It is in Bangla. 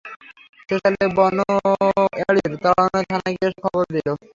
শেষকালে বনোয়ারির তাড়নায় থানায় গিয়া সে খবর দিল।